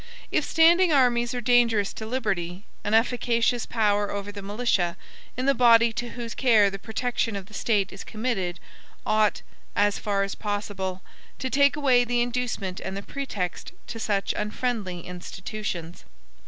If standing armies are dangerous to liberty, an efficacious power over the militia, in the body to whose care the protection of the State is committed, ought, as far as possible, to take away the inducement and the pretext to such unfriendly institutions.